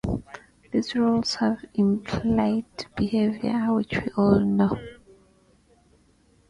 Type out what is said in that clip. These roles have "implied" behaviour, which we all know.